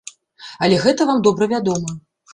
Але гэта вам добра вядома.